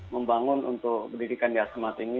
membangun untuk pendidikan di asmat ini